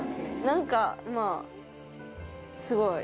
何かまぁすごい。